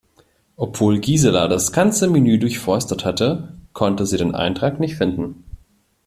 Obwohl Gisela das ganze Menü durchforstet hatte, konnte sie den Eintrag nicht finden.